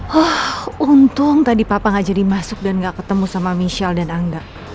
huh untung tadi papa nggak jadi masuk dan nggak ketemu sama michelle dan angga